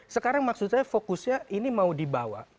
sekarang maksud saya fokusnya ini mau dibawa